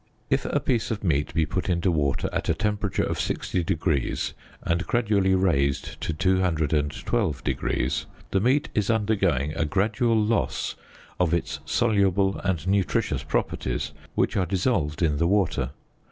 If a piece of meat be put into water at a temperature of 60┬░, and gradually raised to 212┬░, the meat is undergoing a gradual loss of its soluble and nutritious properties, which are dissolved in the water.